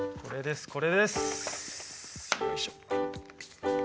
よいしょ。